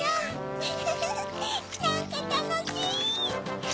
ウフフフなんかたのしい！